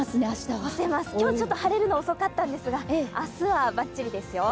干せます、今日、ちょっと晴れるの遅かったんですが明日はばっちりです。